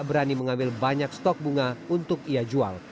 berani mengambil banyak stok bunga untuk ia jual